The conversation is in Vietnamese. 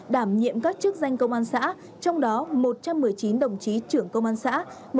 đảm nhiệm các chức danh công an xã trong đó một trăm một mươi chín đồng chí trưởng công an xã